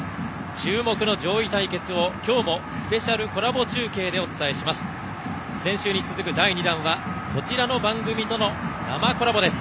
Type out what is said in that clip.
注目の上位対決を、きょうもスペシャルコラボ中継でお伝えします。